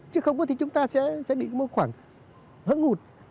chứ không có thì chúng ta sẽ bị một khoảng hỡng ngụt